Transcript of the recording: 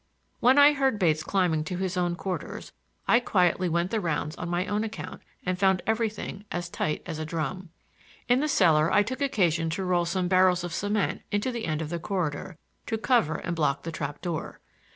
When I heard Bates climbing to his own quarters I quietly went the rounds on my own account and found everything as tight as a drum. In the cellar I took occasion to roll some barrels of cement into the end of the corridor, to cover and block the trap door.